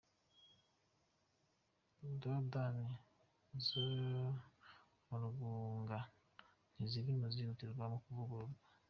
Dodane zo mu Rugunga ntiziri mu zihutirwa mu kuvugururwa